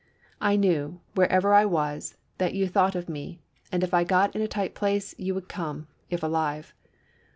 I knew, wherever I was, that you thought of me, and if I got in a tight place you would come, if alive.